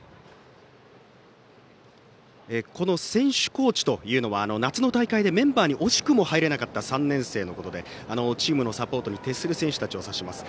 この選手コーチというのは夏の大会でメンバーに惜しくも入れなかった３年生のことでチームのサポートに徹する選手たちを指します。